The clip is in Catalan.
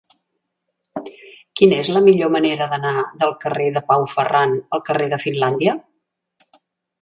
Quina és la millor manera d'anar del carrer de Pau Ferran al carrer de Finlàndia?